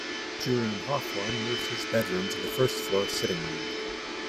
Julian Hawthorne moved his bedroom to the first floor sitting room.